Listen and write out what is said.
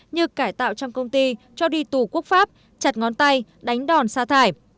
như cải tạo trong công ty cho đi tù quốc pháp chặt ngón tay đánh đòn xa thải